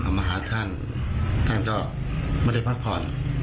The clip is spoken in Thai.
มาหาท่านท่านก็ไม่ได้พักผ่อน